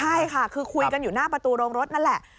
ใช่ค่ะคือคุยกันอยู่หน้าประตูโรงรถนั่นแหละ